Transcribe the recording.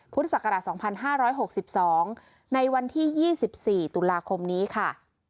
พุทธศักราช๒๕๖๒ในวันที่๒๔ตุลาคมนี้ค่ะ